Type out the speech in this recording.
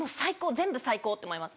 全部最高！って思います。